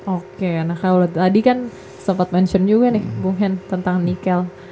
oke nah kalau tadi kan sempat mention juga nih hubungan tentang nikel